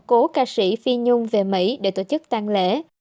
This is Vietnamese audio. cố ca sĩ phi nhung về mỹ để tổ chức tang lễ